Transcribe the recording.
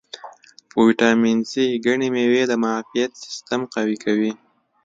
په ویټامین C غني مېوې د معافیت سیستم قوي کوي.